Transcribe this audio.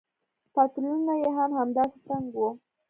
پتلونونه يې هم همداسې تنګ وو.